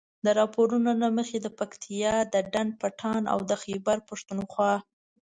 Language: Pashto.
د راپورونو له مخې د پکتیا د ډنډ پټان او د خيبر پښتونخوا